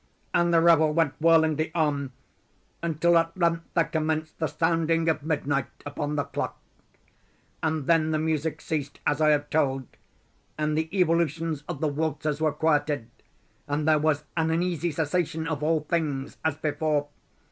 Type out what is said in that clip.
And the revel went whirlingly on, until at length there commenced the sounding of midnight upon the clock. And then the music ceased, as I have told; and the evolutions of the waltzers were quieted; and there was an uneasy cessation of all things as before.